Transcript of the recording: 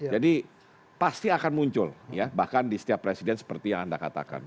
jadi pasti akan muncul ya bahkan di setiap presiden seperti yang anda katakan